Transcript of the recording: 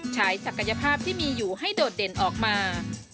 ฉักยภาพที่มีอยู่ให้โดดเด่นออกมา